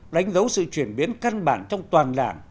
đánh dấu sự chuyển biến căn bản trong toàn đảng